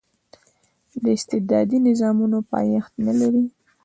استبدادي نظامونه پایښت نه لري.